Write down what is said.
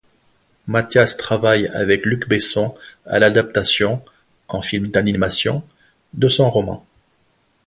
Mathias travaille avec Luc Besson à l'adaptation, en film d'animation, de son roman.